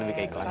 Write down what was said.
lebih ke iklan